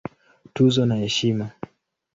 Tuzo na Heshima